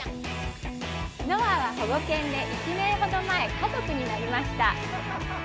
ノアは保護犬で１年ほど前、家族になりました。